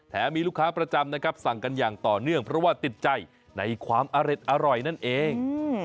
มีลูกค้าประจำนะครับสั่งกันอย่างต่อเนื่องเพราะว่าติดใจในความอร่อยนั่นเอง